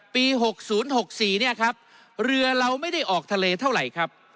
ปี๖๐๖๔เนี่ยครับเรือเราไม่ได้ออกทะเลเท่าไหร่ครับ